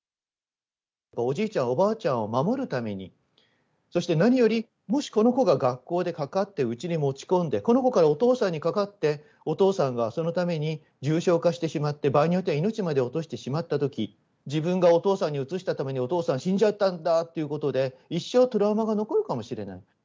おじいちゃん、おばあちゃんを守るために、そして何より、もしこの子が学校でかかって、うちに持ち込んで、この子からお父さんにかかって、お父さんがそのために重症化してしまって、場合によっては命まで落としてしまったとき、自分がお父さんにうつしたためにお父さん死んじゃったんだということで、一生、トラウマが残るかもしれない。